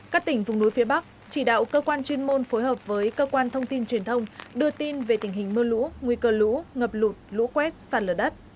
các tỉnh vùng núi phía bắc chỉ đạo cơ quan chuyên môn phối hợp với cơ quan thông tin truyền thông đưa tin về tình hình mưa lũ nguy cơ lũ ngập lụt lũ quét sạt lở đất